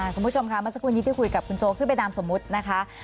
คุณผู้ชมค่ะเมื่อสักครู่นี้ที่คุยกับคุณโจ๊กซึ่งเป็นนามสมมุตินะคะ